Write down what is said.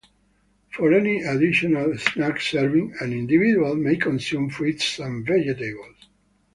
For any additional snack servings, an individual may consume fruits and vegetables.